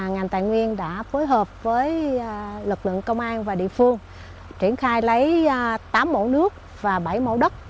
ngành tài nguyên đã phối hợp với lực lượng công an và địa phương triển khai lấy tám mẫu nước và bảy mẫu đất